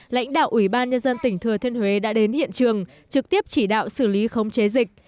lãnh đạo ủy ban nhân dân tỉnh thừa thiên huế đã đến hiện trường trực tiếp chỉ đạo xử lý khống chế dịch